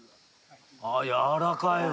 あっやわらかいわ。